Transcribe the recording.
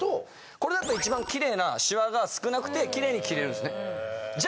これだと一番きれいなシワが少なくてきれいに着れるんですね。